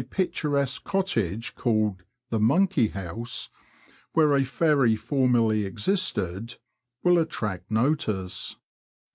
11 picturesque cottage, called the "Monkey house," where a. ferry formerly existed, will attract notice.